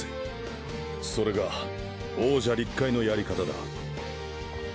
それが王者立海のやり方だ。